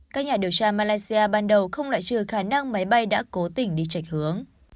các nhà điều tra malaysia ban đầu không loại trừ khả năng máy bay đã cố tỉnh đi chạch hướng